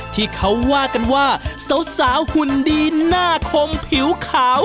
ที่เขาว่ากันว่าสาวหุ่นดีหน้าคมผิวขาว